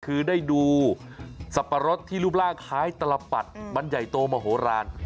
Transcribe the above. คือได้ดูสับปะรดที่รูปร่างคล้ายตลปัดมันใหญ่โตมโหลาน